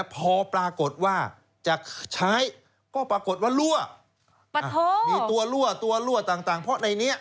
พอปรากฏว่าจะใช้ก็ปรากฏว่ารั่วมีตัวรั่วตัวรั่วต่างเพราะในนี้